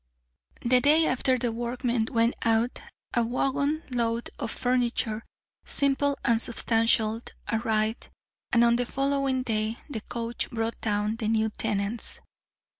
The day after the workmen went out, a waggon load of furniture, simple and substantial, arrived, and on the following day the coach brought down the new tenants.